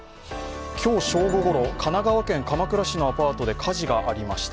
今日、正午頃、神奈川県鎌倉市のアパートで火事がありました。